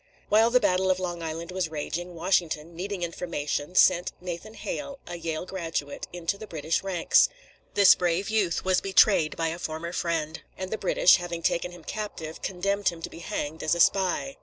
While the battle of Long Island was raging, Washington, needing information, sent Nathan Hale, a Yale graduate, into the British ranks. This brave youth was betrayed by a former friend, and the British, having taken him captive, condemned him to be hanged as a spy.